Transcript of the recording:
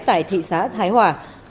tại thị xã thái hòa